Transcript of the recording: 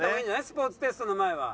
スポーツテストの前は。